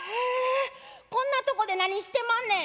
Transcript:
こんなとこで何してまんねん」。